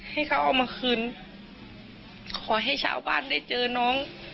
ให้เขาเอามาคืนขอให้ชาวบ้านได้เจอน้อง